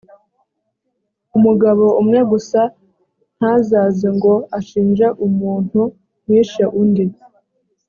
umugabo umwe gusa ntazaze ngo ashinje umuntu wishe undi,